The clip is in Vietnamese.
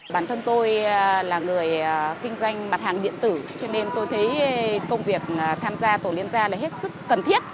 bản thân tôi là người kinh doanh mặt hàng điện tử cho nên tôi thấy công việc tham gia tổ liên gia là hết sức cần thiết